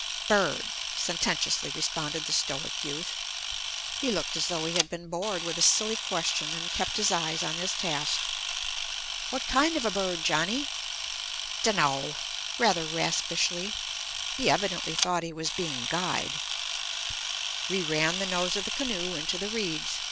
"Bird!" sententiously responded the stoic youth. He looked as though he had been bored with a silly question, and kept his eyes on his task. "What kind of a bird, Johnny?" "D'no!" rather raspishly. He evidently thought he was being guyed. We ran the nose of the canoe into the reeds.